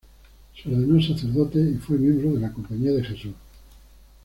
Se ordenó sacerdote y fue miembro de la Compañía de Jesús.